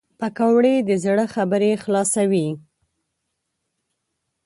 پکورې د زړه خبرې خلاصوي